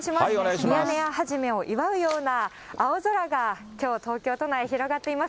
ミヤネ屋始めを祝うような、青空がきょう東京都内、広がっています。